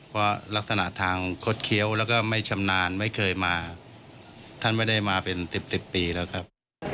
เพราะลักษณะทางคดเคี้ยวแล้วก็ไม่ชำนาญไม่เคยมาท่านไม่ได้มาเป็นสิบสิบปีแล้วครับ